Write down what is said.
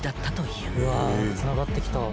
うわつながってきた。